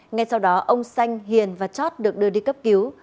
ngay sau đó ông xanh hiền và chót được đưa đi cấp cứu